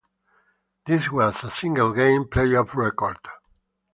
This was a single game playoff record.